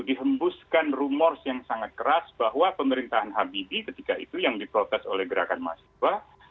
dihembuskan rumors yang sangat keras bahwa pemerintahan habibie ketika itu yang diprotes oleh gerakan mahasiswa